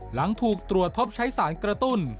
หลังถูกตรวจพบใช้สารกระตุ้น